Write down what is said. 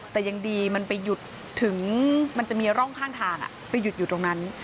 แต่ยังดีมันไปหยุดถึงมันจะมีร่องข้างทางไปหยุดอยู่ตรงนั้น